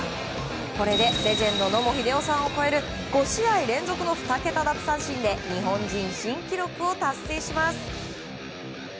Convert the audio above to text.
これでレジェンド野茂英雄さんを超える５試合連続２桁奪三振で日本人新記録を達成します。